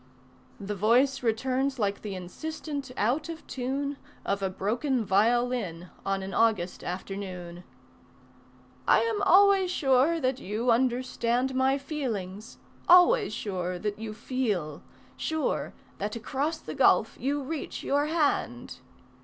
The voice returns like the insistent out of tune Of a broken violin on an August afternoon: "I am always sure that you understand My feelings, always sure that you feel, Sure that across the gulf you reach your hand.